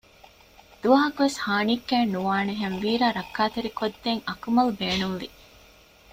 ދުވަހަކުވެސް ހާނީއްކައެއް ނުވާނެހެން ވީރާ ރައްކާތެރިކޮށްދޭން އަކުމަލް ބޭނުންވި